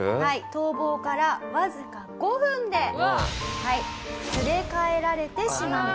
逃亡からわずか５分で連れ帰られてしまうと。